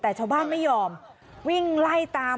แต่ชาวบ้านไม่ยอมวิ่งไล่ตาม